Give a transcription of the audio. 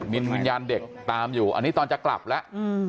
มีวิญญาณเด็กตามอยู่อันนี้ตอนจะกลับแล้ว